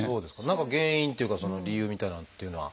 何か原因っていうかその理由みたいなのっていうのは。